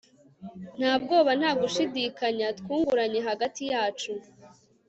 nta bwoba, nta gushidikanya, twunguranye hagati yacu